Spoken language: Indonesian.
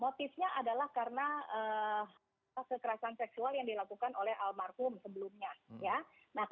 motifnya adalah karena kekerasan seksual yang dilakukan oleh almarhum sebelumnya